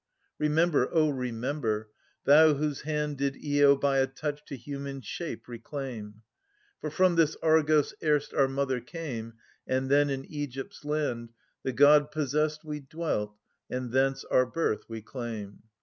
— Remember, O remember, thou whose hand Did lo by a touch to human shape reclaim. "iFor fromthis Argos erst ourjnother came .. The g dd possestt wi dwelt, aai4 thoHoe our birth we claim.